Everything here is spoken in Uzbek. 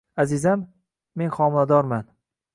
- Azizam, men xomiladorman!